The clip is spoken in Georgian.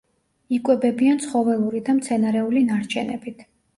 იკვებებიან ცხოველური და მცენარეული ნარჩენებით.